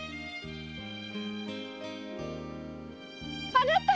あなた！